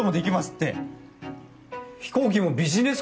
って。